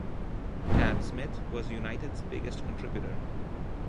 Tab Smith was United's biggest contributor.